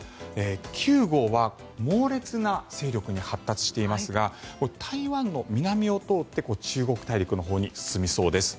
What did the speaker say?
９号は猛烈な勢力に発達していますが台湾の南を通って中国大陸のほうに進みそうです。